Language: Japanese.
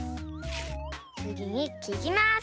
つぎにきります。